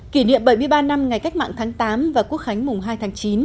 kỷ niệm bảy mươi ba năm ngày cách mạng tháng tám và quốc khánh mùng hai tháng chín